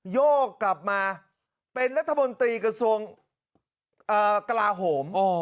โยกกลับมาเป็นรัฐมนตรีกระทรวงกลาโหม